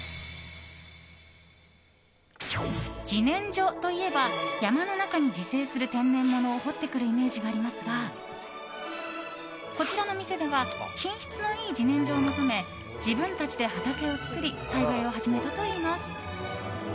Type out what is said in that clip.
自然薯といえば山の中に自生する天然物を掘ってくるイメージがありますがこちらの店では品質のいい自然薯を求め自分たちで畑を作り栽培を始めたといいます。